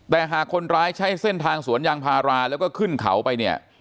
แต่หากคนร้ายใช้เส้นทางสวนยางพาราแล้วก็ขึ้นเขาไปเนี่ย